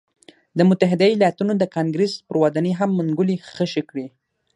د متحده ایالتونو د کانګرېس پر ودانۍ هم منګولې خښې کړې.